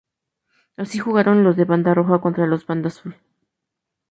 Así jugaron los de banda roja contra los de banda azul.